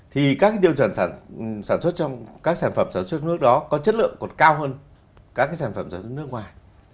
thì các tiêu chuẩn sản xuất trong các sản phẩm sản xuất nước đó có chất lượng còn cao hơn các sản phẩm sản xuất nước ngoài